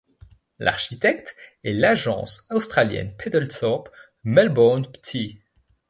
L'architecte est l'agence australienne Peddle Thorp Melbourne Pty.